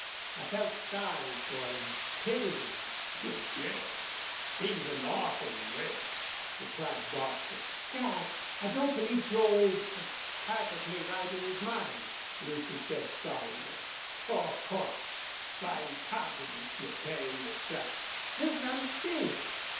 I felt sorry for him pitied him." "You did? Seems an awful waste," replied Bostil. "Dad, I don't believe Joel is perfectly right in his mind," Lucy said, solemnly. "Haw! haw! Fine compliments you're payin' yourself." "Listen. I'm serious.